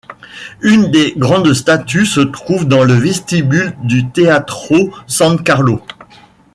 Une de ses grandes statues se trouve dans le vestibule du Teatro San Carlo.